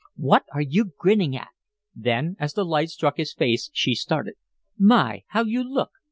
"What are you grinning at?" Then, as the light struck his face, she started. "My! How you look!